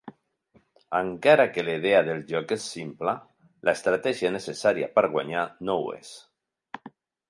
Encara que la idea del joc és simple, l'estratègia necessària per guanyar no ho és.